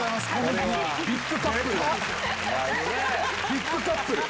ビッグカップル。